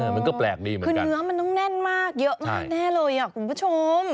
คุณผู้ชม